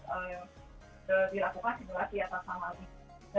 harus juga dilakukan simulasi atas angka didikanya